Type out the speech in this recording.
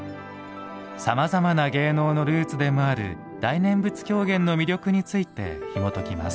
さまざまな芸能のルーツでもある「大念仏狂言」の魅力について、ひもときます。